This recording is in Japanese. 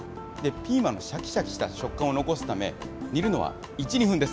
ピーマンのしゃきしゃきした食感を残すため、煮るのは１、２分です。